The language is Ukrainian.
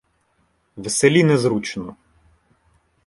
В селі незручно.